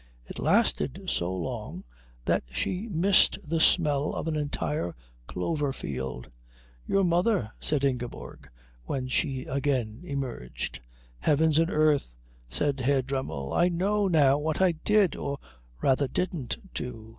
It lasted so long that she missed the smell of an entire clover field. "Your mother," said Ingeborg, when she again emerged. "Heavens and earth!" said Herr Dremmel. "I know now what I did or rather didn't do.